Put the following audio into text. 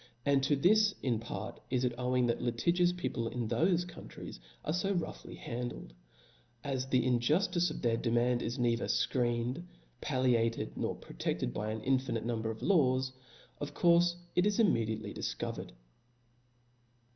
And to this in part it is owing that litigious people in thofe countries are fo roughly handled : as the injuftice of their de mand is neither fcreened, palliated nor prote(5led by an infinite number of laws, of courfe it i* immediately difcovered.